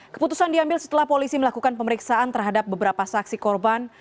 keputusan diambil setelah polisi melakukan pemeriksaan terhadap beberapa saksi korban